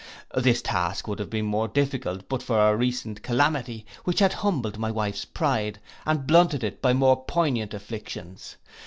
This task would have been more difficult but for our recent calamity, which had humbled my wife's pride, and blunted it by more poignant afflictions.